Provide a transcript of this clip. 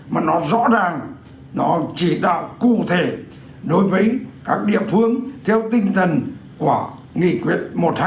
mà nó rõ ràng nó chỉ đạo cụ thể đối với các địa phương theo tinh thần của nghị quyết một trăm hai mươi